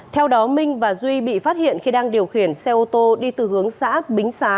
theo đó minh và duy bị phát hiện khi đang điều khiển xe ô tô đi từ hướng xã bính xá